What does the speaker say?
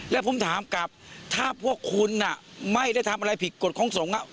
แล้วผมถามกลับถ้าพวกคุณไม่ได้ทำอะไรผิดกฎของสงฆ์